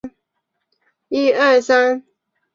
牡丹虾海胆